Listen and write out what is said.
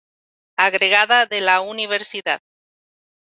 Agregada de la Universidad.